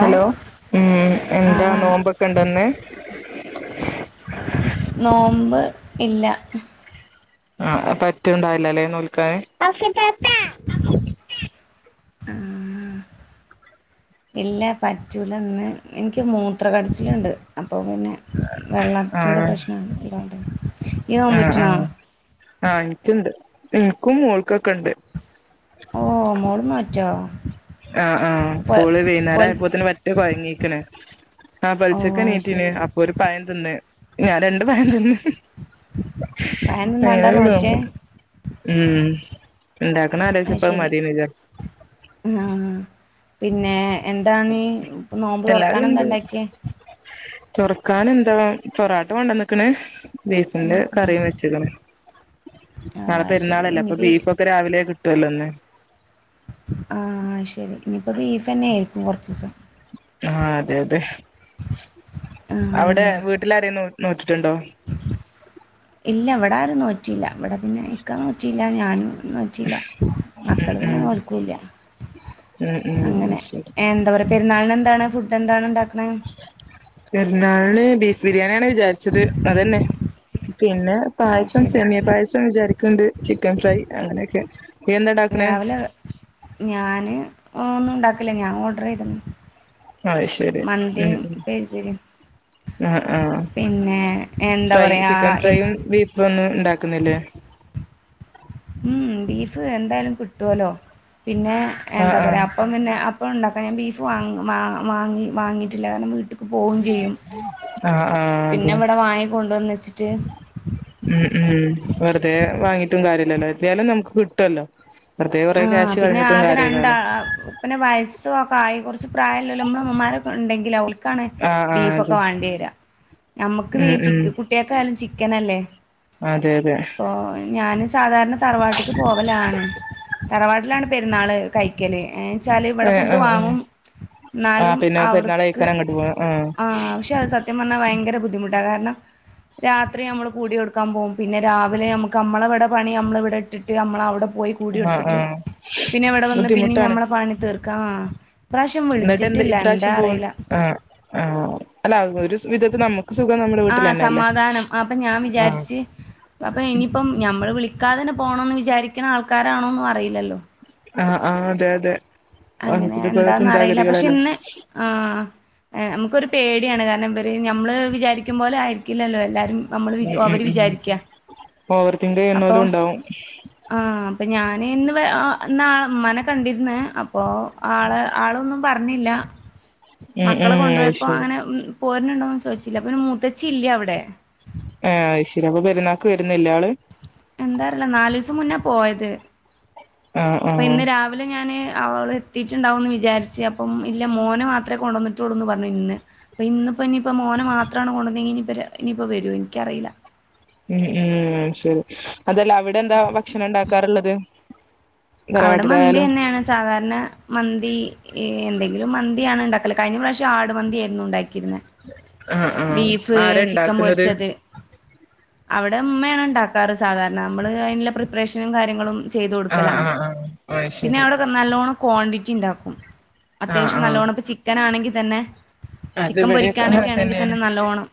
Hello ഉം ആ എന്താ നോമ്പൊക്കെയുണ്ടോയിന്ന്? നോമ്പ് ഇല്ല. ആ പറ്റ്ണ്ടായില്ലല്ലേ നോൽക്കാൻ. ആഹ് ഇല്ല പറ്റൂല്ലന്ന് എനിക്ക് മൂത്ര കടച്ചിലിണ്ട് അപ്പോ പിന്നെ വെള്ളത്തിൻ്റെ പ്രശ്നാണ് എല്ല ആഹ് ആഹ് ആഹ് ഇൻക്കുണ്ട് ഇൻക്കും മോൾക്കൊക്കെണ്ട് ഓഹ് മോള് മാറ്റോ ആഹ് ആഹ് പ്പോള് വൈന്നാരായപ്പോത്തിന് പറ്റെ കൊയങ്ങീക്ണ് ആഹ് ഓ പൊൽച്ചക്ക് അത് എണീറ്റ്ന് ശരി അപ്പൊരു പയം തിന്ന് ഞാൻ രണ്ട് പയം ത് ന്ന് പയം ത് ന്നോണ്ടാ നോറ്റെ ഉം ഇണ്ടാക്ക്ണാലോയ്ചപ്പോ അഹ് മതിന് വിചാരിച്ച് ആഹ് പിന്നേ എന്താണ് ഇപ്പം നോമ്പ് തൊറക്കാനെന്താ ഇണ്ടാക്കിയേ തൊറക്കാനെന്താ പൊറാട്ട കൊണ്ടന്ന്ക്ക്ണ് ബീഫിന്റെ ഉം ഉം കറീം വെച്ച്ക്ക്ണ് ആ നാളെ അത് ശരി പെര്ന്നാളല്ലേ അപ്പൊ ഇനിയിപ്പം ബീഫൊക്കെ രാവിലെ കിട് ട്ടല്ലോ ഇന്ന് ആഹ് ശരി ഇനിപ്പൊ ബീഫെന്നേര്ക്കും കൊർച്ചീസം ആഹ് അതെ അതെ അവടെ ആ വീട്ട്ലാരെലും നോ നോറ്റ്ട്ട്ണ്ടോ ഇല്ല ഇവടാരും നോ റ്റില്ല ഇവിടെ പിന്നെ ഇക്ക നോറ്റില്ല ഞാനും നോറ്റീല്ല മക്കൾ ഉം പിന്നെ ഉം നോൽക്കുല്ല. ഉം ഉം അങ്ങനെ ശരി എന്താ പറയ പെരുന്നാളിന് എന്താണ് ഫുഡ് എന്താണ് ഉണ്ടാക്കുന്നത്? പെരുന്നാളിന് ബീഫ് ബിരിയാണിയാണ് വിചാരിച്ചത് അതന്നെ പിന്നെ. ആ പായസം ശരി സെമിയ പായസം വിചാരിക്ക്ണ്ട് ചിക്കൻ ഫ്രൈ അങ്ങനെയൊക്കെ. നീ എന്താ ഇണ്ടാക്കണേ രാവിലെ ഞാന് ഒന്നും ഉണ്ടാക്കില്ല ഞാൻ ഓർഡർ ചെയ്തിന്നു. അത് ശരി മന്തി ഉം ഉം പെരി പെരി. ആഹ് ആഹ് പിന്നെ എന്താ പറയാ? ബീഫ് ഒന്നും ഉണ്ടാക്കുന്നില്ലേ? ഉം ബീഫ് എന്തായാലും കിട്ടുലോ പിന്നെ ആഹ് എന്താ ആഹ് പറയാ. അപ്പം പിന്നെ അപ്പോഴ ഉണ്ടാക്കാം ഞാൻ ബീഫ് വാങ്ങി വാങ്ങി വാങ്ങിട്ടില്ല കാരണം വീട്ക്ക് പോവുംചെയ്യും. ആഹ് ആഹ് പിന്നെ അതെ ഇവിടെ വാങ്ങി കൊണ്ടുവന്ന്വച്ചിട്ട്. ഉം ഉം വെറുതെ വാങ്ങിട്ടും കാര്യലല്ലോ എ തായാലും നമുക്ക് കിട്ടുല്ലോ? ആഹ് പിന്നെ ആകെ രണ്ടാ പിന്നെ വയസ്സും ഒക്കെ ആയി കുറച്ച് പ്രായലോല് നമ്മളെ ഉമ്മമാരൊക്കെ ഉണ്ടെങ്കിൽ ഓൽക്. ൽ കാണ് ആഹ് ആഹ് ബീഫ് ഒക്കെ അതെ വാണ്ടി വരാ. ഞമ്മക്ക് ഉം ചി ഉം കുട്ടിയക്കായാലും ചിക്കനല്ലേ? അതെ അതെ. അപ്പൊ ഞാനും സാധാരണ തറവാട്ട്ക്ക് പോവലാണ്. തറവാട്ടിലാണ് പെരുന്നാള് കൈക്കല് വെച്ചാല് ഇവിടെ ഏഹ് ഫുഡ് ആഹ് ആഹ് വാങ്ങും. എന്നാലും ആഹ് പിന്നെ പെരുന്നാൾ അവിടുക്ക് കഴിക്കാൻ അങ്ങോട്ട് പോവാ ആഹ് ആശെ സത്യം പറഞ്ഞാ ഭയങ്കര ബുദ്ധിമുട്ടാ കാരണം. രാത്രി നമ്മള് കൂടി കൊടുക്കാൻ പോകും പിന്നെ രാവിലെ നമുക്ക് നമ്മളെ ഇവിടെ പണി നമ്മളിവിടെ ഇട്ടിട്ട് നമ്മള് അവിടെ പോയി. കൂടി ആഹ് യൊടുത്തിട്ട് ആഹ് പിന്നെ ഇവിടെ വന്ന് പിന്നെ ബുദ്ധിമുട്ടാണ് ഞമ്മളെ പണി തീർക്ക. ഇപ്രാവശ്യം എന്നിട്ട് എന്ത് വിളിച്ചിട്ടില്ല എന്താ ഇപ്രാവശ്യം പോ അറിയില്ല. ആഹ് ആഹ് അല്ല ഒരു വിധത്തിൽ നമുക്ക് സുഖം നമ്മുടെ വീട്ടിൽ ആഹ് തന്നെയല്ലേ സമാധാനം. അപ്പൊ ആഹ് ഇപ്പം ഞമ്മൾ വിളിക്കാതെന്നെ പോണന്ന് വിചാരിക്കണ ആൾക്കാരാണോന്നും അറിയില്ലല്ലോ? ആഹ് ആഹ് അതെ അതെ. അങ്ങനെ ഓരോരുത്തർക്കോരോ എന്താന്നറിയില്ല പക്ഷെ ചിന്താഗതികളല്ലേ ഇന്ന്. ആ നമുക്കൊരു പേടിയാണ് കാരണം ഇവര് നമ്മൾ വിചാരിക്കു പോലെ ആയിരിക്കില്ലല്ലോ എല്ലാരും. നമ്മള് വി ഉം അവര് ഉം ഉം വിചാരിക്ക ഓവർത്തിങ്ക് അപ്പൊ. ചെയ്യുന്നോലും ഉണ്ടാവും ആഹ അപ്പൊ ഞാന് ഇന്ന് നാളെ മ്മാനെ കണ്ടിരുന്ന്. അപ്പോ ആള് ആളൊന്നും പറഞ്ഞില്ല. ഉം മക്കളെ ഉം കൊണ്ടുപോയപ്പോ അയ്ശരി അങ്ങനെ പോര്ണ്ണ്ടോന്നും ചോദിച്ചില്ല പിന്നെ മുതച്ചില്ല അവിടെ. ആഹ്ശരി അപ്പ പെരുന്നാൾക്ക് വരുന്നില്ല ആള്? എന്താ അറില നാലിസം മുന്നേ പോയത് ആഹ് അപ്പ ആഹ് ഇന്ന് രാവിലെ. രാവിലെ ഞാന് അവള് എത്തിട്ടുണ്ടാവെന്ന് വിചാരിച്ചു അപ്പം ഇല്ല മോനെ മാത്രമേ കൊണ്ടുവന്നിട്ടൊള്ളുന്ന് പറഞ്ഞു ഇന്ന്. അപ്പൊ ഇന്നിപ്പോ ഇനിയിപ്പോ മോനെ മാത്രമാണ് കൊണ്ടുന്നെങ്കി ഇനി ഇനിയിപ്പ വരോ എനിക്കറിയില്ല. ഉം ഉം ശരി അതല്ല അവിടെ എന്താ ഭക്ഷണം ഉണ്ടാക്കാറുള്ളത്? അവിടെ മന്തി തറവാട്ടിലായാലും തന്നെയാണ് സാധാരണ. മന്തി എന്തെങ്കിലും മന്തിയാണ് ഉണ്ടാക്കല് കഴിഞ്ഞ പ്രാവശ്യം ആട് മന്തി ആയിരുന്നു ഉണ്ടാക്കിയിരുന്നത്. ആഹ് ആഹ് ബീഫ് ആരാ ചിക്കൻ ഇണ്ടാക്കുന്നത് പൊരിച്ചത്. അവിടെ ഉമ്മയാണ് ഉണ്ടാക്കാറ് സാധാരണ നമ്മള് അയിനുള്ള പ്രിപ്പറേഷനും കാര്യങ്ങളും. ചെയ്ത് ആഹ് കൊടുക്കലാണ് ആഹ് ആഹ് അത് പിന്നെ ശരി അവിടെ നല്ലോണ്ണം ക്വാണ്ടിറ്റി ഉണ്ടാക്കും. ആഹ് അത്യാവശ്യം ആഹ് നല്ലേണ്ണം ഇപ്പ ചിക്കൻ ആണെങ്കിൽ തന്നെ. അത് ചിക്കൻ ഇവിടെയൊക്കെ അങ്ങനെ പൊരിക്കാനൊക്കെ ആണെങ്കിൽ തന്നെയാണ് തന്നെ നല്ലോണം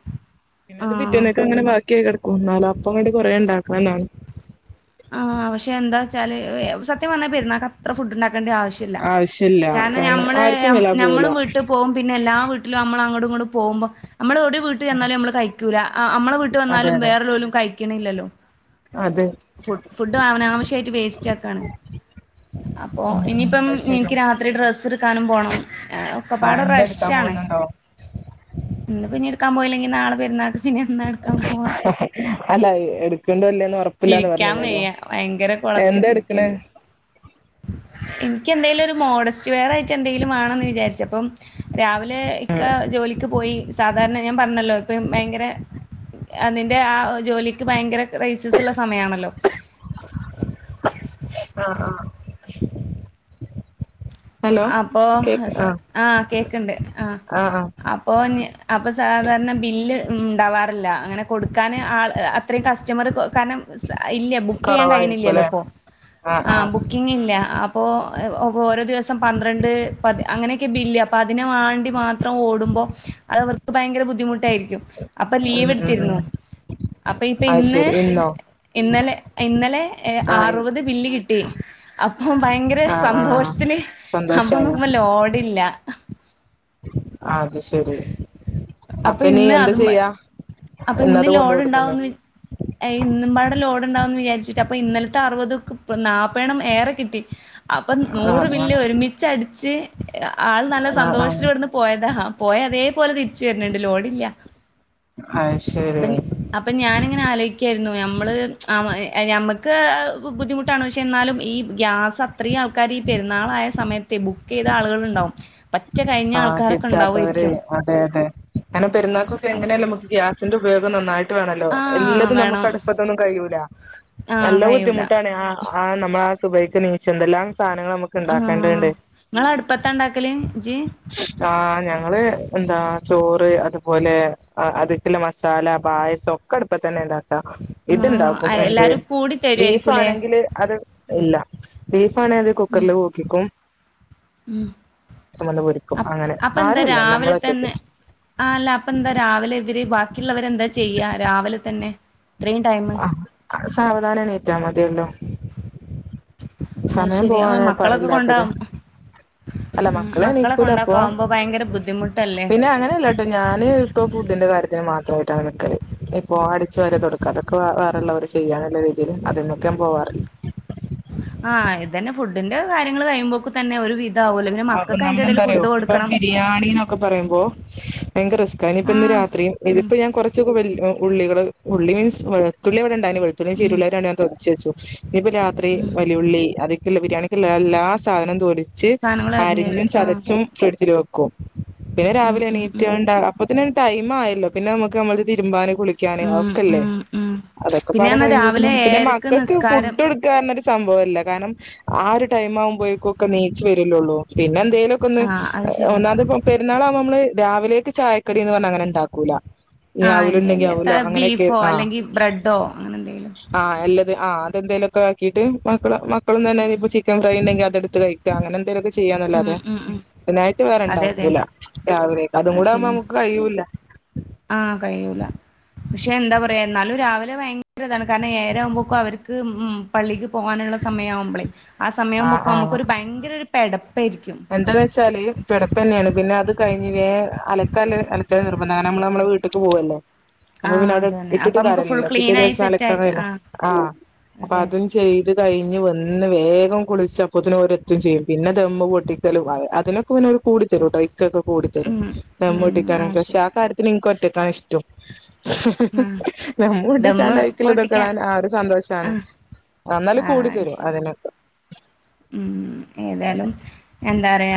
പിന്നെ ആ അത് പിറ്റേന്നൊക്കെ അങ്ങനെ ബാക്കി ആയി കെടക്കും എന്നാലും അപ്പം കൊണ്ട് കുറെേ ഉണ്ടാക്കണം എന്നാണ്. ആ പക്ഷെ എന്താ വച്ചാൽ സത്യം പറഞ്ഞാ പെരുന്നാൾക്ക് അത്ര ഫുഡ് ഉണ്ടാക്കേണ്ട ആവശ്യം. ശ്യല്ല ആവശ്യല്ല കാരണം ഞമ്മൾ ആർക്കും വില പോവൂല ഞമ്മളും വീട്ടി പോകും പിന്നെ എല്ലാ വീട്ടിലും നമ്മൾ അങ്ങട്ടും ഇങ്ങട്ടും പോകുമ്പോ നമ്മൾ ഒരു വീട്ടിൽ ന്ത്‌ തന്നാലും നമ്മള് കഴിക്കൂല അ അ നമ്മളെ വീട്ട് അതെ വന്നാലും വേറെല്ലോലും കഴിക്കണില്ലല്ലോ. അത് ഫു ഫുഡ് അനാവശ്യമായിട്ട് വേസ്റ്റ് ആക്കാണ്. അപ്പോ ഉം ഉം ഇനിയിപ്പം അത് ശരിയാ എനിക്ക് രാത്രി ഡ്രസ്സ് എടുക്കാനും പോണം ഒക്കെപ്പാടെ ഇന്ന് റഷ് എടുക്കാൻ ആണ്. പോകുന്നുണ്ടോ ആഹ് ഇന്ന്പ്പഞ്ട്ക്കാൻ പോയില്ലെങ്കി നാളെ പെരുന്നാൾക്ക് പിന്നെന്നാ അല്ല എടുക്ക്ണ്ടോല്ലേന്ന് ഒറപ്പില്ലാന്ന് പറ- ചിരിക്കാൻ ഞ്ഞിനല്ലോ, വയ്യ ഭയങ്കര കൊളത്തി എന്താ എടുക്ക്ണാ? പിടിക്കണ്ട് എനിക്ക് എന്തെലും ഒരു മോഡസ്റ്റ് വെയർ ആയിട്ട് എന്തെങ്കിലും വാണെന്ന് വിചാരിച്ച് അപ്പം രാവി ലെ ഇക്ക ആഹ് ജോലിക്ക് പോയി സാധാരണ ഞാൻ പറഞ്ഞല്ലോ ഇപ്പം ഭയങ്കര അതിന്റെ ആ ജോലിക്ക് ഭയങ്കര ക്രൈസസ് ഉള്ള സമയണല്ലോ. ആഹ് ആഹ് ഹലോ അപ്പോ കേക്ക് ആഹ് കേക്ണ്ട് ആഹ് അപ്പോ ഞ് അപ്പൊ സാധാരണ ബില്ല് ഉണ്ടാവാറില്ല അങ്ങനെ കൊടുക്കാന് ആൾ അത്രയും കസ്‌ റ്റമർ കാരണം ഇല്ല ബുക്ക്‌ ചെയ്യാൻ കഴിയ്ണില്ലല്ലോ കൊറവായിരിക്കുംല്ലേ ഇപ്പൊ ആഹ് ബുക്കിങ്ങില്ല അപ്പോ ഓരോ ദിവസം പന്ത്രണ്ട് പത് അങ്ങനെയൊക്കെ ബില്ല്. അപ്പൊ അതിന് വാണ്ടി മാത്രം ഓടുമ്പോ അത് അവർക്ക് ഭയങ്കര ബുദ്ധിമുട്ടായിരിക്കും. അപ്പ ലീവ് ഉം ഉം ഉം എടുത്തിരുന്നു അപ്പൊ ഇപ്പൊ അത് ഇന്ന് ശരി ഇന്നോ ഇന്നലെ ഇന്നലെ ആഹ് ഇൻ അറുപത് ബില്ല് കിട്ടി. അപ്പൊ ഭയങ്കര ആഹ് ആഹ് സന്തോഷത്തില് അപ്പൊ സന്തോഷായോ നോക്കുമ്പോ ലോടില്ല. അത് ശരി അപ്പൊ ഇനി ഇന്ന് എന്താ അതും ചെയ്യാ അപ്പൊ ഇന്ന് ഇന്നത് കൊണ്ട് ലോഡ് കൊടുക്കണ്ടോ ഉണ്ടാവുംന്ന് വി എ ഇന്നും പാടെ ലോഡ് ഉണ്ടാവും ന്ന് വിചാരിച്ചിട്ട് അപ്പൊ ഇന്നലത്തെ അറുപതും നാൽപ്പേണ്ണം ഏറെ കിട്ടി. അപ്പം നൂറ് ആഹ് ബില്ല് ആഹ് ഒരുമിച്ചട്ച്ച് ആൾ നല്ല ആഹ് ആഹ് സന്തോഷത്ത്ലിവിടുന്ന് പോയതാ ഹാ പോയ അതേപോലെ തിരിച്ചു വരുന്നുണ്ട് ലോഡില്ല അയ് ശരി അപ്പം ഞാനിങ്ങനെ ആലോയ്ക്കെര്ന്നു നമ്മള് ഞമ്മക്ക് ബുദ്ധിമുട്ട- ട്ടാണ് പക്ഷെ എന്നാലും ഈ ഗ്യാസ് അത്രീ ആൾക്കാര് ഈ പെര്ന്നാളായ സമയത്ത് ബുക്കീത ആളുകള് ഇണ്ടാവും പറ്റ കഴിഞ്ഞ ആഹ് ആൾക്കാരൊക്ക കിട്ടാത്തവര് ഇണ്ടാവായിരിക്കും അതെ അതെ കാര്ണം പെരുന്നാക്കൊക്ക എങ്ങനെ ആയാലും നമ്മക്ക് ഗ്യാസിന്റെ ഉപയോഗം നന്നായിട്ട് ട്ട് വേണലോ ആഹ് എല്ലതും നമുക്ക് വേണം അടുപ്പത്തൊന്നും കയ്യൂല ആഹ് നല്ല കഴിയൂല ബുദ്ധിമുട്ടാണ് ആഹ് ആഹ് നമ്മള ആഹ് സുബൈയ്ക്ക് നീച്ച്ണ്ടലൊ എന്തെല്ലാം സാനങ്ങള് നമ്മക്ക് ആഹ് ഇങ്ങളട്പ്പത്ത ഇണ്ടാക്കല് ഇജ്ജ് ആഹ് ഞങ്ങള് എന്താ ചോറ് അത്പോലെ അത്ക്ക്ള്ള മസാല പായസം ഒക്കെ അടുപ്പത്തന്നെ ഇണ്ടാക്കാ ആഹ് ഇത്ണ്ടാക്കും എന്ത് എല്ലാരും കൂടി തരുവായിരിക്കൂല്ലേ ബീഫാണെങ്കില് അത് ഇല്ല ബീഫാണെ അത് കുക്കർല് കൂക്കികും ഉം ഗ്യാസ്മ്മന്ന് പൊരിക്കും അപ്- അങ്ങനെ അപ്പൊ എന്താ ആരുല്ല രാവിലെ നമ്മളൊറ്റക്ക് തന്നെ ആഹ് അല്ല അപ്പ എന്ത രാവിലെ ഇവര് ബാക്കിള്ളവര് എന്താ ചെയ്യ രാവിലെ തന്നെ ഇത്രയും ടൈമ് അഹ് സാവധാനം ഏണീറ്റാ മതിയല്ലൊ അത് സമയം ശരി ആ പോവാനാ പണി മക്കളൊക്കെ കൊണ്ടാ ഇല്ലാത്തത് ഉം അല്ല മക്കളെ മക്കളെണീക്കൂല അപ്പോ കൊണ്ടാക്കാവുമ്പോ ഭയങ്കര ബുദ്ധിമുട്ടല്ലേ പിന്ന അങ്ങനല്ല ട്ടോ ഞാന് ഇപ്പൊ ഫുഡ്ഡിന്റെ കാര്യത്തിന് മാത്രമായിട്ടാണ് നിക്കല് ഇപ്പൊ അടിച്ചു വാര തൊടക്ക അതൊക്കെ വേറള്ളവര് ചെയ്യാന്ന്ള്ള രീതില് അത്മ്മക്ക് ഞാൻ പോവാറില്ല ആഹ് ഇതെന്നെ ഫുഡ്ഡിന്റ കാര്യങ്ങള് കയ്യുമ്പൊക്ക് തന്നെ ഒരുവി - അ ഒന്നാമത് എന്താറിയൊ ഇപ്പൊ ബിരിയാണി ന്നൊക്ക പറയുമ്പോ ഭയങ്കര റിസ്ക്ക ഇനിയിപ്പ ഇന്ന് ആഹ് രാത്രിയും ഉം ഇതിപ്പൊ ഞാൻ കുറച്ചൊക്കെ ഉള്ളികള് ഉള്ളി മീൻസ് ത്തുള്ളി അവ്ടണ്ടായ്ന് വെളുത്തുള്ളി ഉം ചീരുള്ളി ഞാൻ തൊലിച്ചേച്ചു ഇനിപ്പൊ രാത്രി ഉം വലിയുള്ളി അതിക്ക്ള്ള ബിരിയാണി എല്ലാ സാധനം തൊലിച്ച് സാധനങ്ങൾ അരിഞ്ഞ് അരിഞ്ഞും വെച്ച് ആഹ് ചതച്ചും ഫ്രിഡ്ജില് വെക്കും പിന്ന ഉം രാവിലെ ഉം എണീറ്റാ ഉം ണ്ട അപ്പത്തിനൊരു ടൈമായല്ലൊ പിന്ന നമ്മക്ക് നമ്മളത് തിര്മ്പാന് കുളി ക്കാന് ഉം അതൊക്കല്ലേ ഉം ഉം അതൊക്കെ പിന്നെ പാടെ പറഞ്ഞാ രാവിലെ കയ്യുമ്പതിനും പിന്ന ഏഴരക്ക് മക്കക്ക് ഫുഡ്ഡ് നിസ്കാരം കൊട് ക്കാ ഒരു സംഭവല്ല കാര്ണം ആഹ് ഒരു ടൈമാ ആവുമ്പയേക്കു ഒക്ക നീച്ച് വരല്ലെ ഒള്ളു പിന്നെ എന്തേലോക്കൊന്ന് ആഹ് അത് ശരിയാ ഒന്നാമത്പ്പ പെരുന്നാളാവുമ്പ നമ്മള് രാവിലേക്ക് ചായക്കടീന്ന് പറ്ഞ്ഞ് അങ്ങന ഇണ്ടാക്കൂല ആഹ് ഇല്ല ഇല്ല ത ബീഫോ അല്ലെങ്കി ബ്രഡോ അങ്ങനെ എന്തേലും ആഹ് എല്ലത് ആഹ് അതെന്തേലൊക്കെ ആക്കീട്ട് മക്കള് മക്കളും തന്നെ ഇപ്പ ചിക്കൻ ഫ്രൈ ഇണ്ടെങ്കി അതെടുത്ത് കഴി അങ്ങനെ എന്തെലു ഒക്കെ ഉം ചെയ്യാന്നല്ലാതെ ഉം ഉം അതിനായിട്ട് വേറെ അതെ അതെ ഇണ്ടാക്കൂല രാവിലെ അതും അത് കൂട ആവുമ്പൊ ശരിയാ കയ്യൂല ആഹ് കയ്യൂല പക്ഷെ എന്താ പറയാ ഇന്നാലും രാവിലെ ഭയങ്കര ഇതാണ് കാര്ണം ഏഴെര ആവുമ്പോക്ക് അവർക്ക് പള്ളിക്ക് പോകാനുള്ള സമയമാവുമ്പളെ ആഹ് സമയവുമ്പക്കു നമ്മക്കൊരു ഭയങ്കര ഒരു പെടപ്പേരിക്കും എന്തന്നെച്ചാല് പെടപ്പെന്നേണ് പിന്നെ അത് കഴിഞ്ഞിലേ അലക്കാല്ലത് അലക്ക് നിർബന്ധാണ് അങ്ങന നമ്മള് നമ്മളെ വീട്ട്ക്ക് പോവല്ലെ അപ്പൊ ആഹ് പിന്നെ അവ്ടെ അതന്നെ അപ്പൊ ഇട്ടിട്ട് നമുക്ക് ഫുൾ കാര്യല്ലല്ലൊ പിറ്റേ ക്ലീനായി ദിവസം അലക്കാ സെറ്റായിട്ട് കയ്യൂല ആഹ് അപ്പൊ അതെ അത് ചെയ്ത് കഴിഞ്ഞ് വന്ന് വേഗം കുളിച്ചപ്പൊത്തിന് ഓരെത്തും ചെയ്യും പിന്നെ ദമ്മ് ട്ടിക്കലും അതിനൊക്കെ പിന്നെ ഓര് കൂടി തരൂട്ടോ ഇക്കൊക്കെ കൂടിത്തരും ഉം ഉം ധമ്മൊട്ടി ക്കാനൊക്കെ പക്ഷെ ശരി ആഹ് കാര്യ ന് ക്കൊറ്റക്കാണിഷ്ടോം. ആഹ് ദമ്മോ ദമ്മ് ട്ടിച്ചാണ്ട് പൊട്ടിക്കാൻ ആയിക്കിലിതൊക്കെടാൻ ആ ഒരു സന്തോഷാണ്. ആഹ് വന്നാലു കൂടി ആഹ് തരു ശരി അതിനൊക്കെ ഉം ഏതായാലും എന്താറയ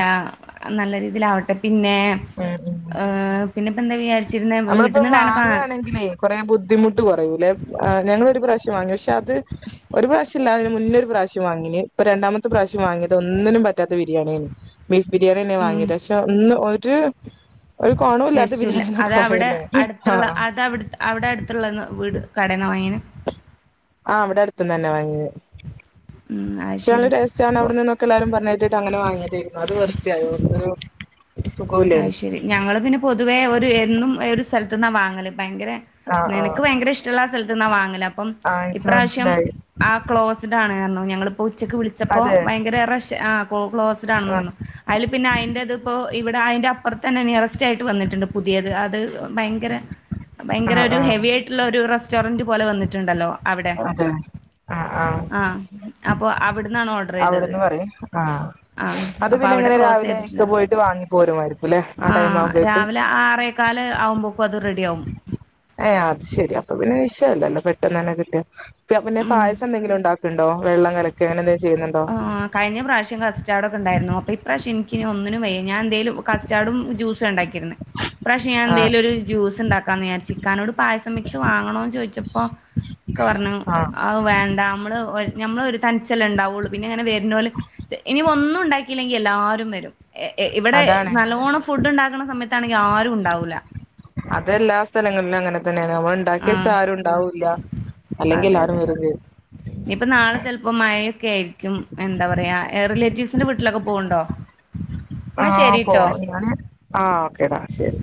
നല്ല രീതിയിലാവട്ടെ പിന്നേ വേറെ? ഏഹ് പിന്നെപ്പെന്താ വിചാരിച്ചിരുന്നെ വ് നമ്മളിപ്പം വീട്ടിൽന്നന്നേക്കാണവീട്ടിൽന്നന്നേക്കാണ വാങ്ങാണെങ്കിലേ കൊറേ ബുദ്ധിമുട്ട് കൊറയൂലെ ഞങ്ങളൊരു പ്രാവശ്യം വാങ്ങി പക്ഷെ അത് ഒരു പ്രാവശ്യം അല്ല അതിന് മുന്നൊരു പ്രാവശ്യം വാങ്ങിന് ഇപ്പ രണ്ടാമത്തെ പ്രാവശ്യ വാങ്ങിയത് ഒന്നിനും പറ്റാത്ത ബിരിയാണി ആനി. ബീഫ് ബിരിയാണിന്നാ ഉം വാങ്ങിയത് പക്ഷെ ഒന്ന് ഒരു ഒരു കോണോ ല്ലാത്ത ബിരിയാണി അതവിടെ പറയൂലേ അടുത്തുള്ള ആഹ് അതവിടു അവിടെ അടുത്തുള്ള ന്ന് വീട് കടേന്ന വാങ്ങിന് ആഹ് അവിടെ അടുത്ത്ന്ന വാങ്ങിയത്. ഉം അയ്ശെരി ച്ചാണ് അവിടെ നിന്നൊക്ക എല്ലാരും പറഞ്ഞെട്ടിട്ട് അങ്ങനെ വങ്ങിയതേരുന്നു അത് വെർതേ ആയി [unintelligible] ഒരു സുഖോല്ലെനു. അത് ശരി ഞങ്ങള് പിന്നെ പൊതുവേ ഒരു എന്നും ഒരു സ്ഥലത്ത്ന്നാ വാങ്ങല് ഭയങ്കര ആഹ് നെനക്ക് ആഹ് ഭയങ്കര ഇഷ് റ്റുള്ള സ്ഥലത്ത്ന്നാ വാങ്ങല് അപ്പം ആഹ് എനിക്ക് ഇപ്രാവശ്യം മനസ്സിലായി ആ ക്ലോസ്ഡ് ആണ് പറഞ്ഞു ഞങ്ങളിപ്പോ ഉച്ചക്ക് വിളിച്ചപ്പോ അതെ ഭയങ്കര റെഷ് ആ കോ ക്ലോസ്ഡ് ആണന്ന് പറഞ്ഞു. അയില് പിന്ന അയിന്റെതിപ്പോ ഇവിടെ അയിന്റെ അപ്പറത്തന്നെ നിയറസ്റ്റ് ആയിട്ട് വന്നിട്ട്ണ്ട് പുതിയത് അത് ഭയങ്കര ഭയങ്കര ആഹ് ഒരു ആഹ് ഹെവി ആയിട്ടുള്ള ഒരു റെസ്റ്റോറൻറ്റ് പോലെ വന്നിട്ടുണ്ടല്ലോ- അവിടെ അതെ ആഹ് ആഹ് അപ്പൊ അവിടുന്നാണ് ഓ അവിടെന്ന് പറയും ആഹ് അത് അപ്പൊ പിന്നെ അവിടെ എങ്ങനെ ക്ലോസ് രാവിലെ ഇക്ക ചെയ്തിട്ടില്ല പോയിട്ട് വാങ്ങി പോരുമായിരിക്കും ല്ലെ? ആ ടൈം ആഹ് ആവുമ്പോഴേക്കും രാവില ആറേകാല് ആവുമ്പക്കും അത് റെഡി ആവും. ഏഹ് അത്ശരി അപ്പൊ പിന്നെ വിഷയ ല്ലല്ലോ പെട്ടെന്ന് തന്നെ കിട്ടിയ- പ്പ പിന്നെ ഉം പായസം എന്തെങ്കിലും ഇ ണ്ടാക്ക്ണ്ടോ വെംള്ളം കലക്ക അങ്ങനെന്തെ ആഹ് കഴിഞ്ഞ പ്രാവശ്യം കസ്റ്റാടൊക്കെ ഉണ്ടായിരുന്നു അപ്പൊ ഇപ്രാവശ്യം നിക്കിനി ഒന്നിനും വയ്യ ഞാന്തെലും കസ്റ്റാഡും ജ്യൂസ ഇണ്ടാക്കിരുന്നെ പ്രാവശ്യം ഞാൻ ആഹ് എന്തേലും ഒരു ജ്യൂസ്ണ്ട ക്കന്ന് വിചാരിച്ച് ഇക്കാനോട് പായസം മിക്സ് വാങ്ങണോന്ന് ചോയിച്ചപ്പം- ക്ക പറഞ്ഞു ആഹ് അത് വേണ്ട നമ്മള് നമ്മ ഒരു തനിച്ചെ ല്ലെ ഉണ്ടാവുള്ളൂ പിന്നെ അങ്ങനെ വരുന്നോലി ഇനിപ്പൊ ഒന്നും ഉണ്ടാക്കിയില്ലെങ്കി എല്ലാരും വരും ഏ ഏ ഇവിടെ അതാണ് നല്ലോണം ഫു ഫുഡ്ണ്ടാക്കണ സമയത്താണെങ്കി ആരും ഉണ്ടാവൂല- അതെല്ലാ സ്ഥലങ്ങളിലും അങ്ങനെ തന്നെയേണ് നമൾ- ഇണ്ടാക്കെച്ച ആഹ് ആരും ഉണ്ടാവൂല്ല അല്ലെങ്കിൽ എല്ലാരും വെരും ചെയ്യും. ഞിപ്പ നാളെ ചെൽപ്പോ മഴയൊക്കെ ആയിരിക്കും എന്താ പറയാ റിലേറ്റീവ്സിന്റെ വീട്ടിലൊക്കെ പോവ്ണ്ടോ? ആഹ് പോകണംആഹ് ഓക്കേടാ ശരി.